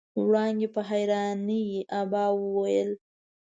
وړانګې په حيرانۍ ابا وويل.